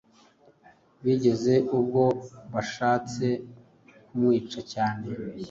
bigeza ubwo bashatse kumwica cyane